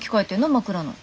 枕の。